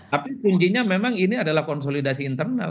tapi kuncinya memang ini adalah konsolidasi internal